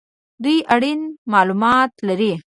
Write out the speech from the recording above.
دوی اړین مالومات لري